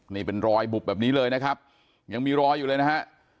นี่เป็นรอยบุบแบบนี้เลยนะครับยังมีรอยอยู่เลยนะฮะ